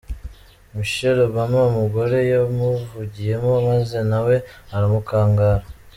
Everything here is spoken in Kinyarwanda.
Michelle Obama umugore yamuvugiyemo maze nawe aramukangara.